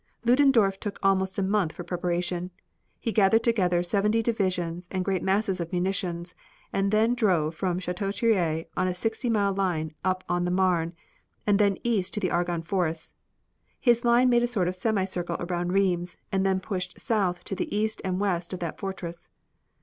Ludendorf took almost a month for preparation. He gathered together seventy divisions and great masses of munitions, and then drove in from Chateau Thierry on a sixty mile line up on the Marne, and then east to the Argonne forests. His line made a sort of semicircle around Rheims and then pushed south to the east and west of that fortress.